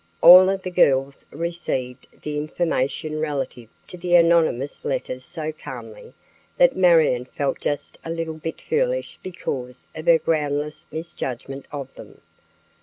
All of the girls received the information relative to the anonymous letters so calmly that Marion felt just a little bit foolish because of her groundless misjudgment of them.